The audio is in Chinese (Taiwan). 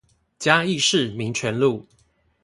嘉義市民權路